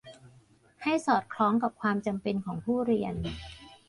ให้สอดคล้องกับความจำเป็นของผู้เรียน